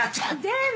でも！